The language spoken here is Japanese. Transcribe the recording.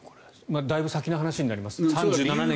だいぶ先の話になりますが。